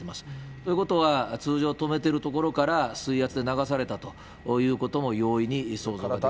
ということは、通常止めている所から、水圧で流されたということも容易に想像ができます。